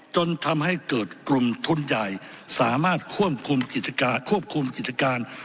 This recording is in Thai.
จนทำให้เกิดกลุ่มทุนใหญ่สามารถควบคุมกิจการ